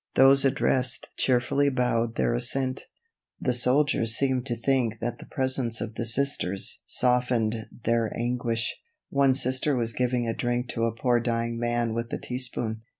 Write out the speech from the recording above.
Those addressed cheerfully bowed their assent. [Illustration: GENERAL MEADE AT GETTYSBURG.] The soldiers seemed to think that the presence of the Sisters softened their anguish. One Sister was giving a drink to a poor dying man with a teaspoon.